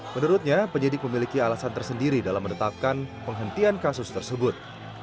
menurutnya penyidik memiliki alasan tersendiri dalam menetapkan penghentian kasus tersebut